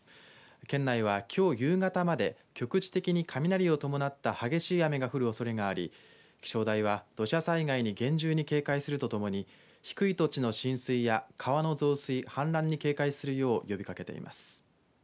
県内は、きょう夕方まで局地的に雷を伴った激しい雨が降るおそれがあり気象台は土砂災害に厳重に警戒するとともに低い土地の浸水や川の増水氾濫に警戒するよう呼びかけています。